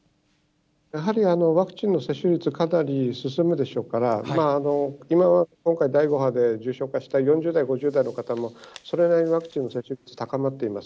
やはりワクチンの接種率、かなり進むでしょうから、今、今回、第５波で重症化した４０代、５０代の方も、それなりにワクチンの接種率、高まっています。